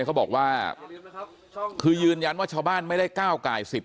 เขาบอกว่าคือยืนยันว่าชาวบ้านไม่ได้ก้าวไก่สิทธิ